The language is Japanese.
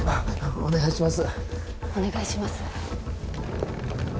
お願いします